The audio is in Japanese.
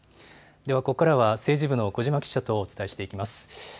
ではここからは政治部の小嶋記者とお伝えしていきます。